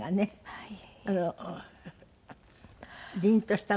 はい。